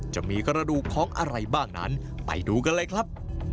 จะมีกระดูกของอะไรบ้างนั้นไปดูกันเลยครับ